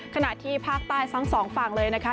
ขณะที่ภาคใต้ทั้งสองฝั่งเลยนะคะ